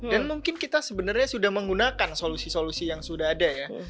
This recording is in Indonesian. dan mungkin kita sebenernya sudah menggunakan solusi solusi yang sudah ada ya